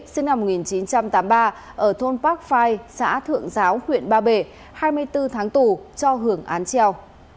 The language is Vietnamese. sinh năm một nghìn chín trăm tám mươi ba ở thôn park phai xã thượng giáo huyện ba bể hai mươi bốn tháng tù cho hưởng án treo